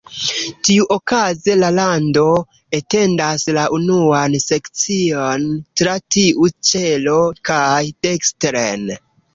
Tiuokaze, la rando etendas la unuan sekcion tra tiu ĉelo kaj dekstren.